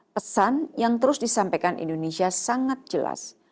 pesan yang terus disampaikan indonesia sangat jelas